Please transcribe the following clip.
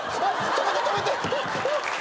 止めて止めて！